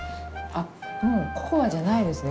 あっ、もうココアじゃないですね